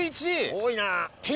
多いなぁ。